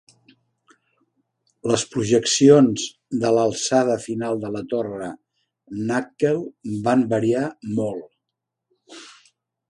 Les projeccions de l'alçada final de la torre Nakheel van variar molt.